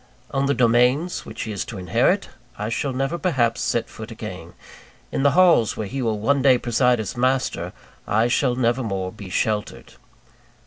On the domains which he is to inherit, I shall never perhaps set foot again: in the halls where he will one day preside as master, I shall never more be sheltered.